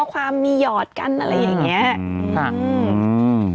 ส่งข้อความมีหยอดกันอะไรอย่างเงี้ย